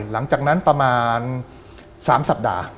หลังจากนั้นประมาณ๓สัปดาห์